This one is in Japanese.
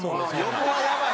横はやばい！